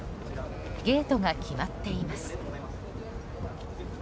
ゲートが決まっています。